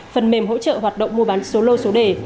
phần mềm hỗ trợ hoạt động mua bán số lô số đề